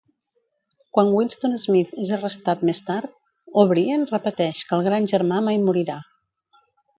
Quan Winston Smith és arrestat més tard, O'Brien repeteix que el Gran Germà mai morirà.